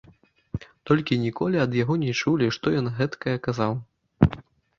Толькі ніколі ад яго не чулі, што ён гэткае казаў.